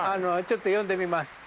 ちょっと呼んでみます。